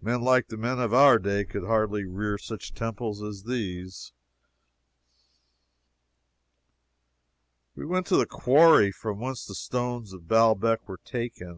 Men like the men of our day could hardly rear such temples as these. We went to the quarry from whence the stones of Baalbec were taken.